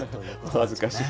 お恥ずかしい。